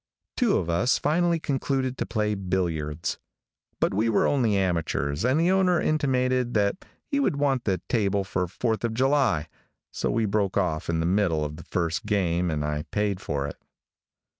Two of us finally concluded to play billiards; but we were only amateurs and the owner intimated that he would want the table for Fourth of July, so we broke off in the middle of the first game and I paid for it.